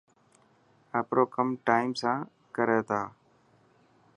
آپرو ڪم ٽائم سان ڪري ٿا.